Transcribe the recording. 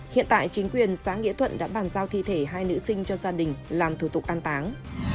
hiện tại chính quyền xã nghĩa thuận đã bàn giao thi thể hai nữ sinh cho gia đình làm thủ tục an táng